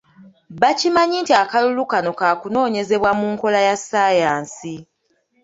Bakimanyi nti akalulu kano kakunoonyezebwa mu nkola ya ssayansi.